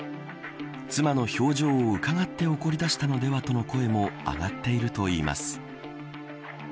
妻の表情をうかがって怒り出したのではとの声も上がっているといいます。